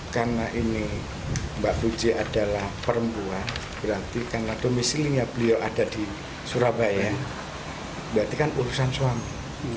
karena ini mbak puji adalah perempuan berarti karena domisilnya beliau ada di surabaya berarti kan urusan suami